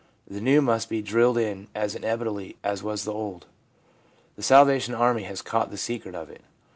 The new must be drilled in as indelibly as was the old. The Salvation Army has caught the secret of it.